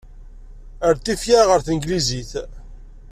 Err-d tifyar-a ɣer tanglizit.